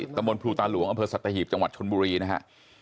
ตำบลภูตาหลวงอำเภอสัตหีบจังหวัดชนบุรีนะฮะ